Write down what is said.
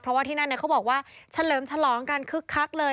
เพราะว่าที่นั่นเขาบอกว่าเฉลิมฉลองกันคึกคักเลย